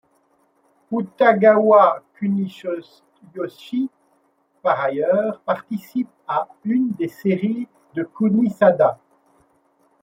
Utagawa Kuniyoshi, par ailleurs, participe à une des séries de Kunisada.